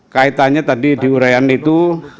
kaitannya tadi di urean itu